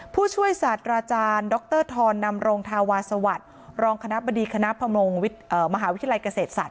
ผู้ช่วยสัตว์ราจารย์ดรทอนนำรงทาวาสวัตรรองคณะบดีคณะพมงศ์มหาวิทยาลัยเกษตรสัตว์